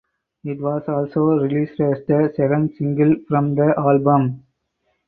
It was also released as the second single from the album.